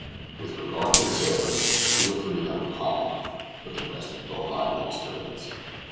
With regard to the sailors, two or three of them were calm enough, but the rest had well nigh lost their wits.